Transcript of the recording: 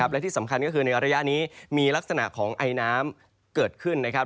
และที่สำคัญก็คือในระยะนี้มีลักษณะของไอน้ำเกิดขึ้นนะครับ